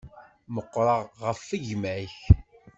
Meqqṛeɣ ɣef gma-k.